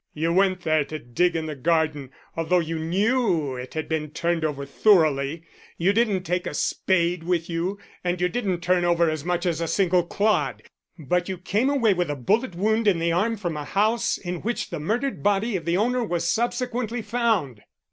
"You went there to dig in the garden, although you knew it had been turned over thoroughly. You didn't take a spade with you, and you didn't turn over as much as a single clod. But you came away with a bullet wound in the arm from a house in which the murdered body of the owner was subsequently found."